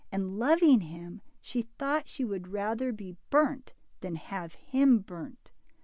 And, lov ing him, she thought she would rather be burnt than have him burnt.